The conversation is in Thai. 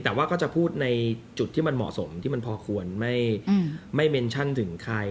แต่ว่าก็จะพูดในจุดที่มันเหมาะสมที่มันพอควรไม่เมนชั่นถึงใคร